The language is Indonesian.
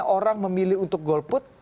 orang memilih untuk golput